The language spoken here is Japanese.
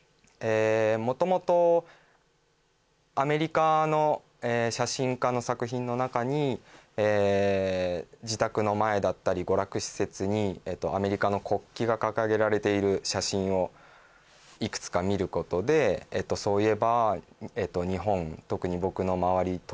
えっ元々アメリカの写真家の作品の中にえっ自宅の前だったり娯楽施設にアメリカの国旗が掲げられている写真をいくつか見ることでそういえばえっと日本特に僕の周り